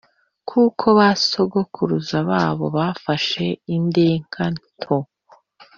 kuko abasekuruza babo bafashe indeka nto!